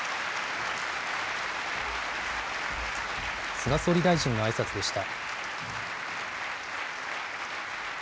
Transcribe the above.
菅総理大臣のあいさつでした。